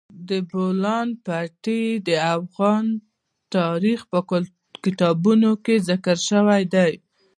د بولان پټي د افغان تاریخ په کتابونو کې ذکر شوی دي.